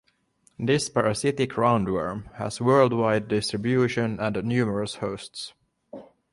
This parasitic roundworm has worldwide distribution and numerous hosts.